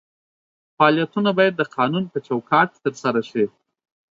فعالیتونه باید د قانون په چوکاټ کې ترسره شي.